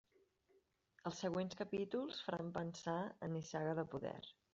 Els següents capítols faran pensar en Nissaga de poder.